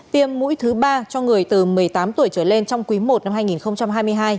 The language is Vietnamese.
tiêm mũi thứ ba cho người từ một mươi tám tuổi trở lên trong quý i năm hai nghìn hai mươi hai